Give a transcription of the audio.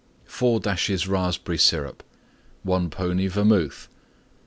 4 dashes Raspberry Syrup. 1 pony Vermouth.